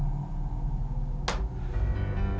tapi anak setan